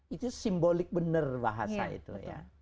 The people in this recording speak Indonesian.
itu simbolik benar bahasa itu ya